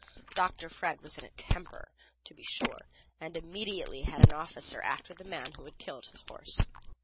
Dr. Fred was in a temper, to be sure, and immediately had an officer after the man who had killed his horse.